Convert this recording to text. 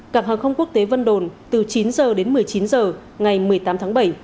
cảng hàng không quốc tế vân đồn từ chín h đến một mươi chín h ngày một mươi tám tháng bảy